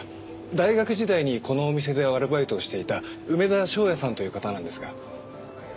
大学時代にこのお店でアルバイトをしていた梅田翔也さんという方なんですが。